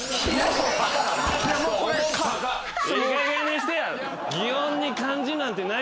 いいかげんにしてよ！